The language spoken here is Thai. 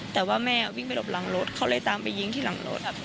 แต่ว่าแม่วิ่งไปหลบหลังรถเขาเลยตามไปยิงที่หลังรถ